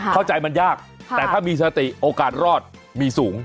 เข้าใจมันยากแต่ถ้ามีสติโอกาสรอดมีสูง